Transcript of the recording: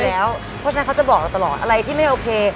เพราะฉะนั้นเขาจะบอกเราตลอดอะไรที่ไม่โอเค